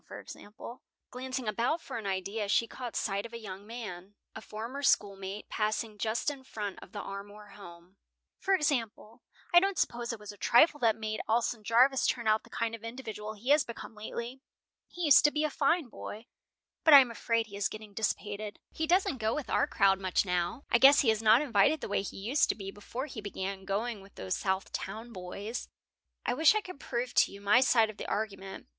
For example," glancing about for an idea, she caught sight of a young man, a former schoolmate, passing just in front of the Armour home, "for example, I don't suppose it was a trifle that made Alson Jarvis turn out the kind of individual he has become lately. He used to be a fine boy, but I am afraid he is getting dissipated. He doesn't go with our crowd much now. I guess he is not invited the way he used to be before he began going with those South Town boys." "I wish I could prove to you my side of the argument.